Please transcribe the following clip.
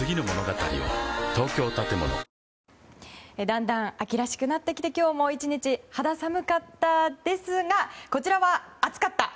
だんだん秋らしくなってきて今日も１日、肌寒かったですがこちらは熱かった！